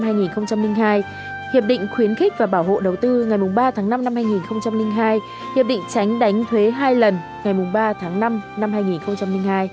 hiệp định khuyến khích và bảo hộ đầu tư ngày ba tháng năm năm hai nghìn hai hiệp định tránh đánh thuế hai lần ngày ba tháng năm năm hai nghìn hai